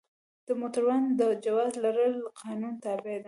د موټروان د جواز لرل د قانون تابع ده.